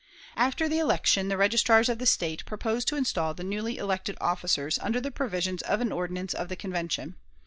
After the election, the registrars of the State proposed to install the newly elected officers under the provisions of an ordinance of the Convention.